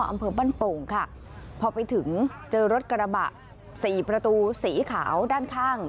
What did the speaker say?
อำเภอบ้านโป่งค่ะพอไปถึงเจอรถกระบะสี่ประตูสีขาวด้านข้าง